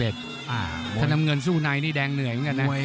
ถ้าน้ำเงินสู้ในนี่แดงเหนื่อยเหมือนกันนะมวย